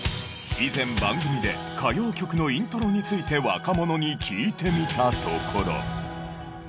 以前番組で歌謡曲のイントロについて若者に聞いてみたところ。